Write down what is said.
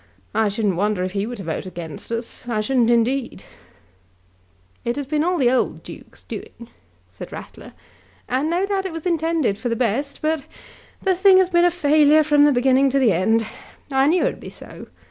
I shouldn't wonder if he were to vote against us; I shouldn't indeed." "It has all been the old Duke's doing," said Rattler, "and no doubt it was intended for the best; but the thing has been a failure from the beginning to the end. I knew it would be so.